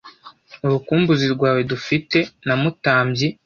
Urukumbuzi rwawe Dufite na Mutambyi